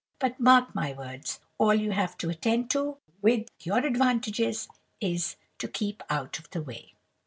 but mark my words:—all you have to attend to, with your advantages, is, to keep out of the way.